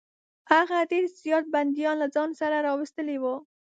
هغه ډېر زیات بندیان له ځان سره راوستلي وه.